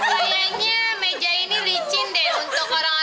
kayaknya meja ini licin deh untuk orang orang yang gabung kan